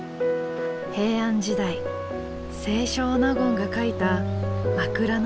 平安時代清少納言が書いた「枕草子」。